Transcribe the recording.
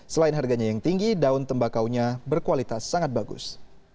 selain harganya yang tinggi daun tembakaunya berkualitas sangat bagus